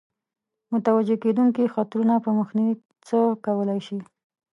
متوجه کېدونکو خطرونو په مخنیوي څه کولای شي.